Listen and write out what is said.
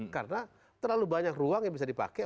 karena terlalu banyak ruang yang bisa dipakai